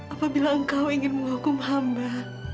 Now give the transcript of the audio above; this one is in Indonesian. apabila engkau ingin menghukum hamba